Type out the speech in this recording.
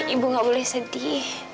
ibu nggak boleh sedih